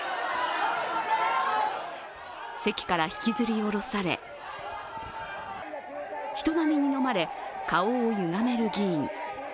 席から引きずり下ろされ、人並みにのまれ顔をゆがめる議員。